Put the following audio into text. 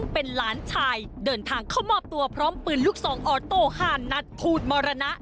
เป็นหลานชายเดินทางเข้ามอบตัวพร้อมปืนลูกซองออโต้๕นัดพูดมรณะ